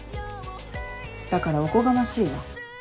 だからおこがましいわ。